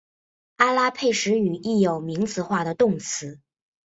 阿拉佩什语亦有名词化的动词。